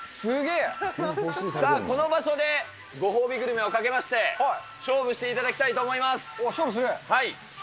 さあ、この場所でご褒美グルメをかけまして、勝負していただきたいと思勝負する？